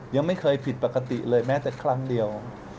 ยังไม่เคยผิดปกติเลยแม้แต่ครั้งเดียว